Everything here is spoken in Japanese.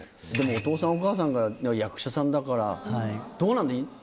お父さんお母さんが役者さんだからどうなの？